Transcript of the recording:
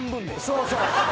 そうそう。